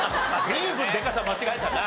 随分でかさ間違えたな。